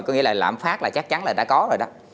có nghĩa là lạm phát là chắc chắn là đã có rồi đó